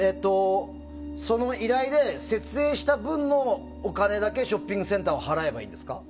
その依頼で設営した分のお金だけショッピングセンターは払えばいいんですか？